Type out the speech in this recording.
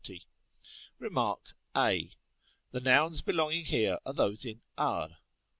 Rem. a. The nouns belonging here are those in ap G.